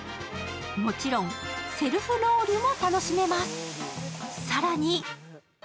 もちろん、セルフロウリュも楽しめます。